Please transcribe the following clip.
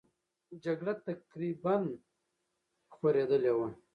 جګړه تقریبا خورېدلې وه.